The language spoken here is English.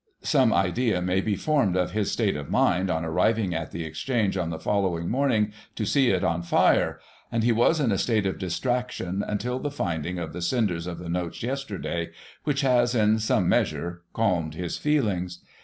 Some idea may be formed of his state of mind on arriving at the Exchange on the following morning, to see it on fire, and he was m a state of distraction until the finding of the cinders of the notes yesterday, which has, in some measure, calmed his feelings.